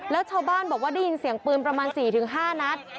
แล้วชาวบ้านบอกว่าได้ยินเสียงปืนประมาณ๔๕นัด